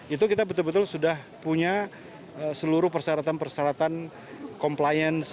itu kita betul betul sudah punya seluruh persyaratan persyaratan compliance yang harus kita penuhi